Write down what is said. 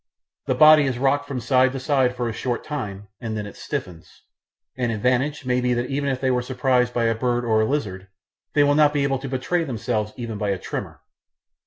The body is rocked from side to side for a short time, and then it stiffens. An advantage may be that even if they were surprised by a bird or a lizard, they will not be able to betray themselves by even a tremor.